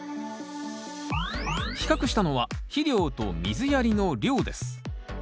比較したのは肥料と水やりの量です。